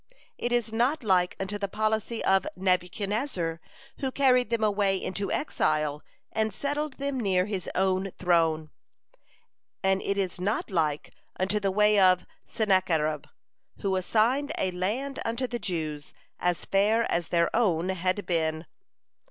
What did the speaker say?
It is not like unto the policy of Nebuchadnezzar, who carried them away into exile, and settled them near his own throne. And it is not like unto the way of Sennacherib, who assigned a land unto the Jews as fair as their own had been.